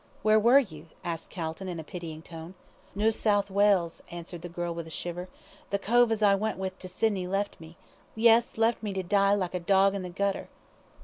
"Where were you?" asked Calton, in a pitying tone. "Noo South Wales," answered the girl with a shiver. "The cove as I went with t' Sydney left me yes, left me to die like a dog in the gutter."